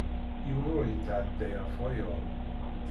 Yiwen ur yetɛedday ɣef wayeḍ.